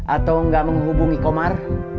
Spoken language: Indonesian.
atau gak menghubungi komar